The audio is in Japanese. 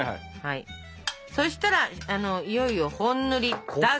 そしたらいよいよ本塗りだが！